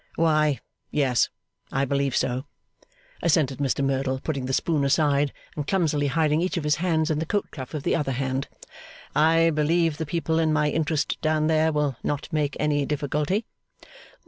'Why yes I believe so,' assented Mr Merdle, putting the spoon aside, and clumsily hiding each of his hands in the coat cuff of the other hand. 'I believe the people in my interest down there will not make any difficulty.